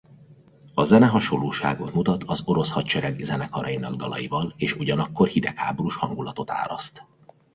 A zene hasonlóságot mutat az orosz hadsereg zenekarainak dalaival és ugyanakkor hidegháborús hangulatot áraszt.